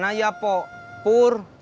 gimana ya pok pur